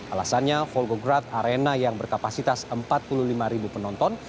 alasannya folgograd arena yang berkapasitas empat puluh lima penonton